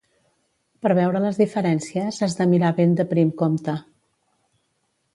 Per veure les diferències has de mirar ben de prim compte.